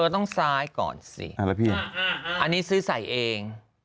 ต้องซ้ายก่อนสิอันนี้ซื้อใส่เอง